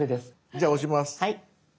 じゃあ押します。